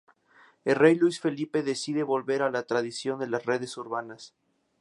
El rey Luis Felipe decide volver a la tradición de las redes urbanas.